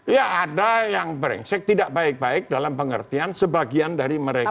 ya ada yang brengsek tidak baik baik dalam pengertian sebagian dari mereka